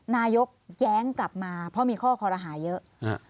นายกแย้งกลับมาเพราะมีข้อคอรหาเยอะ